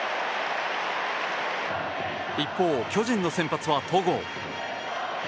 一方、巨人の先発は戸郷。